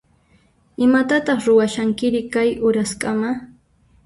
Imatataq ruwashankiri kay uraskama?